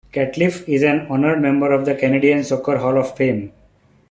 Catliff is an Honoured member of The Canadian Soccer Hall of Fame.